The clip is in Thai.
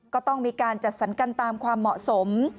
ก็ต้องมีการจัดสรรกันตามความเหมาะสม